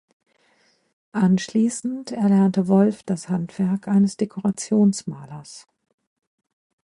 Anschließend erlernte Wolff das Handwerk eines Dekorationsmalers.